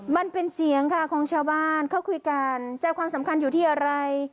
มันเป็นเสียงค่ะของชาวบ้านเขาคุยกันใจความสำคัญอยู่ที่อะไร